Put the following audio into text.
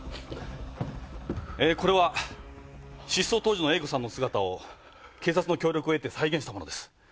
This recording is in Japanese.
えーこれは失踪当時のＡ子さんの姿を警察の協力を得て再現したものです。